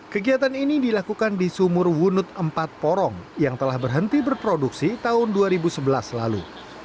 kegiatan ini dilakukan di sumur wunut empat porong yang telah berhenti berproduksi tahun dua ribu sebelas lalu